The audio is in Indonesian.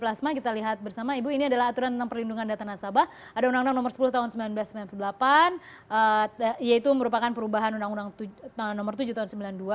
plasma kita lihat bersama ibu ini adalah aturan tentang perlindungan data nasabah ada undang undang nomor sepuluh tahun seribu sembilan ratus sembilan puluh delapan yaitu merupakan perubahan undang undang nomor tujuh tahun seribu sembilan ratus sembilan puluh dua